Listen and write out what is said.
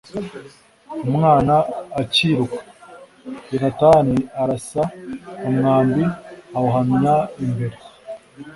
Umwana acyiruka, Yonatani arasa umwambi awuhamya imbere ye.